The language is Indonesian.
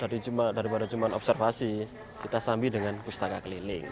tapi observasi lapangan daripada cuma observasi kita sambil dengan pustaka keliling